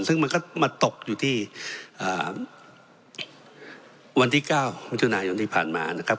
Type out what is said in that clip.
ซึ่งมันก็มาตกอยู่ที่อ่าวันที่เก้าวันที่หน้าวันที่ผ่านมานะครับ